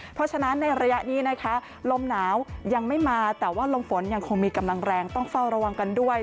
เพราะฉะนั้นในระยะนี้นะคะลมหนาวยังไม่มาแต่ว่าลมฝนยังคงมีกำลังแรงต้องเฝ้าระวังกันด้วย